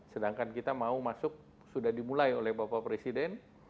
sedangkan kita mau masuk sudah dimulai oleh bapak presiden